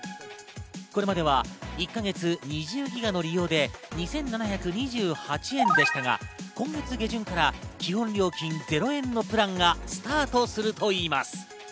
これまでは、１か月２０ギガの利用で２７２８円でしたが、今月下旬から基本料金０円のプランがスタートするといいます。